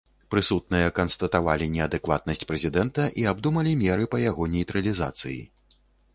Прысутныя канстатавалі неадэкватнасць прэзідэнта і абдумалі меры па яго нейтралізацыі.